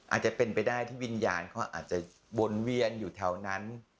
อาจจะเป็นไปได้ที่วิญญาณเขาอาจจะวนเวียนอยู่แถวนั้น